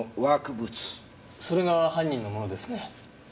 それが犯人のものですね。